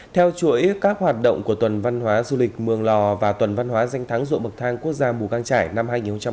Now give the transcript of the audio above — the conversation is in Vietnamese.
theo chuỗi các hoạt động của tuần văn hóa du lịch mường lò và tuần văn hóa danh thắng ruộng bậc thang quốc gia bù cang trải năm hai nghìn một mươi sáu